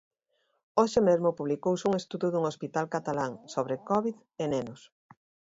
Hoxe mesmo publicouse un estudo dun hospital catalán sobre Covid e nenos.